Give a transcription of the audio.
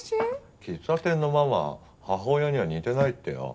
喫茶店のママ母親には似てないってよ。